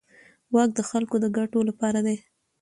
واک د خلکو د ګټو لپاره دی.